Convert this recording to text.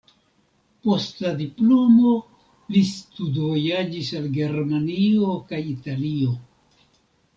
Post la diplomo li studvojaĝis al Germanio kaj Italio.